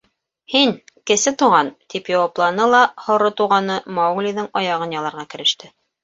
— Һин, Кесе Туған, — тип яуапланы ла һоро Туғаны Мауглиҙың аяғын яларға кереште.